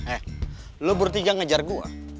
eh lo bertiga ngejar gue